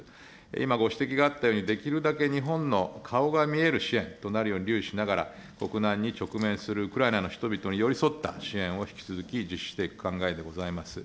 今ご指摘があったように、できるだけ日本の顔が見える支援となるように留意しながら、国難に直面するウクライナの人々に寄り添った支援を引き続き実施していく考えでございます。